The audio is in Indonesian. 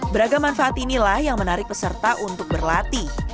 beragam manfaat inilah yang menarik peserta untuk berlatih